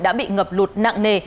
đã bị ngập lụt nặng nề